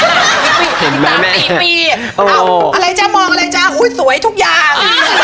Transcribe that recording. ตีปีน้อยตีปีอ้าวอะไรจ้ะมองอะไรจ้ะอุ้ยสวยทุกอย่าง